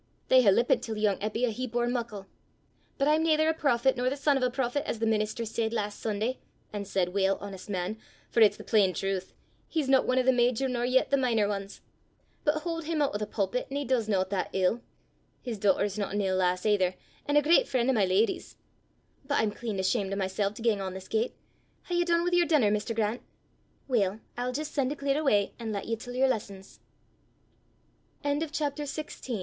They hae lippent til yoong Eppy a heap ower muckle. But I'm naither a prophet nor the son o' a prophet, as the minister said last Sunday an' said well, honest man! for it's the plain trowth: he's no ane o' the major nor yet the minor anes! But haud him oot o' the pu'pit an' he dis no that ill. His dochter 's no an ill lass aither, an' a great freen' o' my leddy's. But I'm clean ashamed o' mysel' to gang on this gait. Hae ye dune wi' yer denner, Mr. Grant? Weel, I'll jist sen' to clear awa', an' lat ye til yer lessons." CHAPTER XVII.